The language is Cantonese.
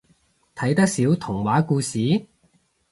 睇得少童話故事？